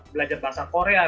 belajar bahasa korea